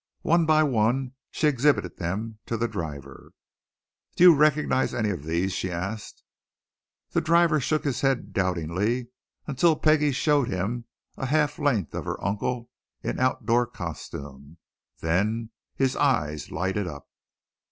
One by one she exhibited them to the driver. "Do you recognize any of these?" she asked. The driver shook his head doubtingly until Peggie showed him a half length of her uncle in outdoor costume. Then his eyes lighted up.